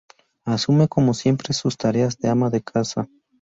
Asume como siempre sus tareas de ama de casa.